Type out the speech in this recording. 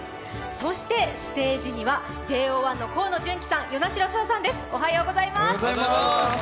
そしてステージにはＪＯ１の河野純喜さん與那城奨さんです。